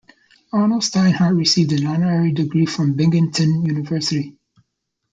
Arnold Steinhardt received an honorary degree from Binghamton University.